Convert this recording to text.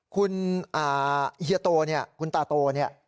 คุณเฮียโตเนี่ยคุณตาโตเนี่ย